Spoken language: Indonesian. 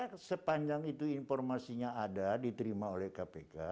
saya kira sepanjang itu informasinya ada diterima oleh kpk